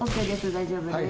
大丈夫です。